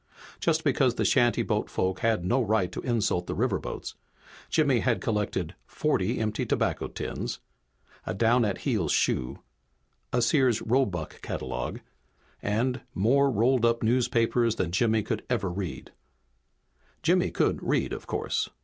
Just because shantyboat folk had no right to insult the riverboats Jimmy had collected forty empty tobacco tins, a down at heels shoe, a Sears Roebuck catalogue and more rolled up newspapers than Jimmy could ever read. Jimmy could read, of course.